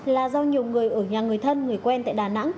là do nhiều người ở nhà người thân người quen tại đà nẵng